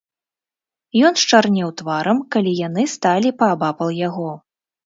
Ён счарнеў тварам, калі яны сталі паабапал яго.